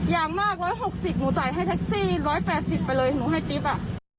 อย่างมาก๑๖๐หนูจ่ายให้แท็กซี่๑๘๐ไปเลยหนูให้ติ๊บอ่ะ